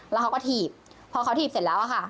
แล้วเขาก็ถีบพอเขาถีบเสร็จแล้วอะค่ะ